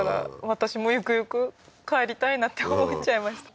私もゆくゆく帰りたいなって思っちゃいました